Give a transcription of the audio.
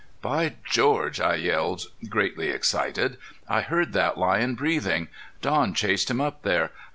"By George!" I yelled, greatly excited. "I heard that lion breathing. Don chased him up there.